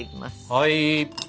はい。